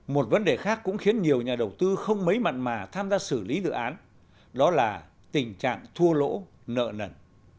một vấn đề khác cũng khiến nhiều nhà đầu tư không mấy mặn mà tham gia xử lý dự án đó là tình trạng thua lỗ nợ nần